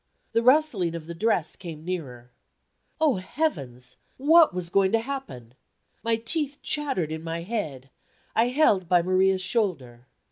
The rustling of the dress came nearer. Oh, heavens! what was going to happen? My teeth chattered in my head; I held by Maria's shoulder.